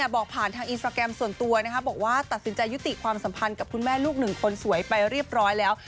บอกผ่านทางอินสตราแกรมส่วนตัวบอกว่าตัดสินใจยุติความสัมพันธ์กับคุณแม่ลูกหนึ่งคนสวยไปเรียบร้อยแล้ว